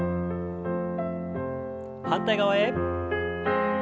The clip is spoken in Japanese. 反対側へ。